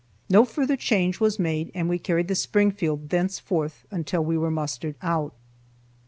No further change was made, and we carried the Springfield thenceforward until we were mustered out.